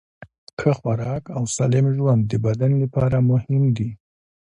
ښه خوراک او سالم ژوند د بدن لپاره مهم دي.